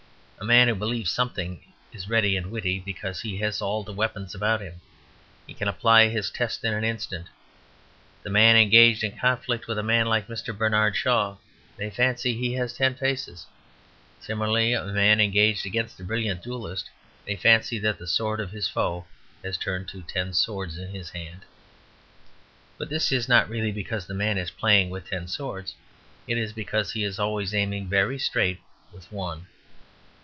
A man who believes something is ready and witty, because he has all his weapons about him. He can apply his test in an instant. The man engaged in conflict with a man like Mr. Bernard Shaw may fancy he has ten faces; similarly a man engaged against a brilliant duellist may fancy that the sword of his foe has turned to ten swords in his hand. But this is not really because the man is playing with ten swords, it is because he is aiming very straight with one.